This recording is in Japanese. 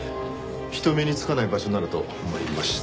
人目につかない場所ならと思いまして。